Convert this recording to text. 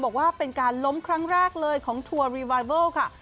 บอกว่าเป็นการล้มครั้งแรกเลยของทัวร์รีไวเวิลค่ะ